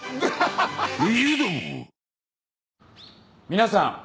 皆さん。